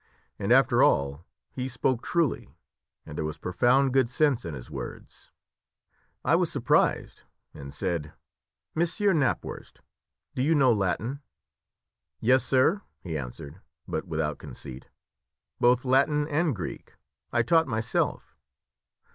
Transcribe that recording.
And after all he spoke truly, and there was profound good sense in his words. I was surprised, and said, "Monsieur Knapwurst, do you know Latin?" "Yes, sir," he answered, but without conceit, "both Latin and Greek. I taught myself.